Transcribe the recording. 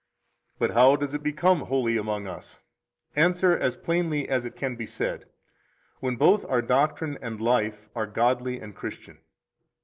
39 But how does it become holy among us? Answer, as plainly as it can be said: When both our doctrine and life are godly and Christian.